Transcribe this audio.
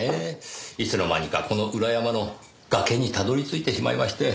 いつの間にかこの裏山の崖にたどり着いてしまいまして。